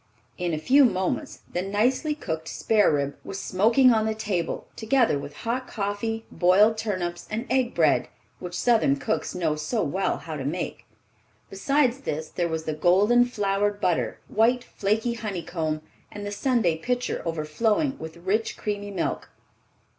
In a few moments the nicely cooked spare rib was smoking on the table, together with hot coffee, boiled turnips and egg bread, which Southern cooks know so well how to make. Besides this there was the golden colored butter, white flaky honeycomb, and the Sunday pitcher overflowing with rich creamy milk.